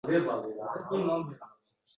Seni birovga o'xshatibdi, o'g'lim.